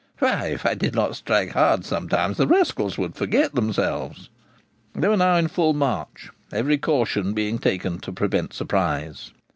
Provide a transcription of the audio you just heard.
'Why, if I did not strike hard sometimes, the rascals would forget themselves.' They were now in full march, every caution being taken to prevent surprise.